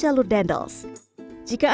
jalur yazwo yang lain itu sebagaiago